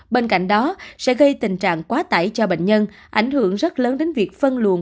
bên cạnh đó sẽ gây tình trạng quá tải cho bệnh nhân ảnh hưởng rất lớn đến việc phân luồn